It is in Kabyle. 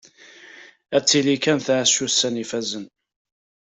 Ad tili kan tɛac ussan ifazen.